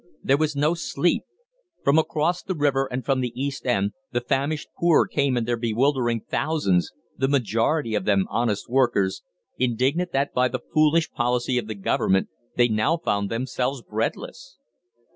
There was no sleep. From across the river and from the East End the famished poor came in their bewildering thousands, the majority of them honest workers, indignant that by the foolish policy of the Government they now found themselves breadless.